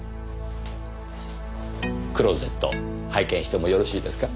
クローゼット拝見してもよろしいですか？